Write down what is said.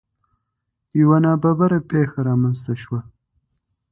یو نا ببره پېښه رامنځ ته شوه.